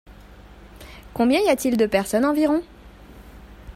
Combien y a-t-il de personnes environ ?